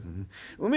おめえ